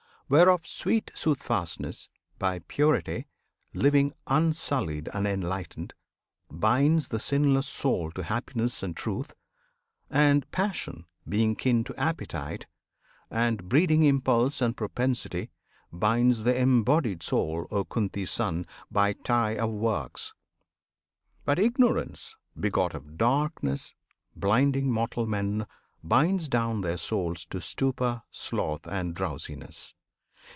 Whereof sweet "Soothfastness," by purity Living unsullied and enlightened, binds The sinless Soul to happiness and truth; And Passion, being kin to appetite, And breeding impulse and propensity, Binds the embodied Soul, O Kunti's Son! By tie of works. But Ignorance, begot Of Darkness, blinding mortal men, binds down Their souls to stupor, sloth, and drowsiness.